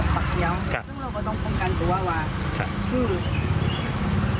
จากปีนมันจะรอบหมดสุขคน